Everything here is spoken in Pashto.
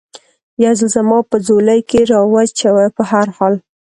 یو ځل زما په ځولۍ کې را و چوه، په هر حال.